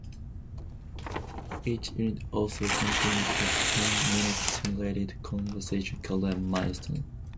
Each unit also contains a ten-minute simulated conversation called a "Milestone".